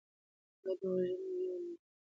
هغه د وژنې وېره لرله.